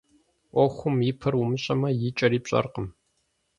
Ӏуэхум и пэр умыщӀэмэ, и кӀэри пщӀэркъым.